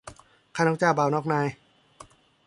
ข้านอกเจ้าบ่าวนอกนาย